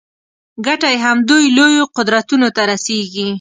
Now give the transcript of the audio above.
ګټه یې همدوی لویو قدرتونو ته رسېږي.